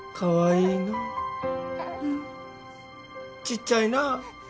ちっちゃいな。